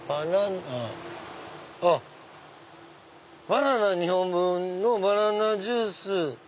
あっバナナ２本分のバナナジュース。